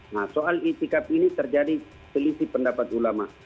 nah soal itikaf ini terjadi selisih pendapat ulama